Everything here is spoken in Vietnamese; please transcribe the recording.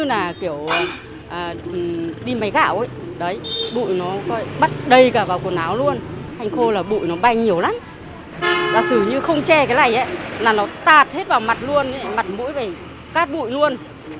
mặt mũi phải gạt bụi luôn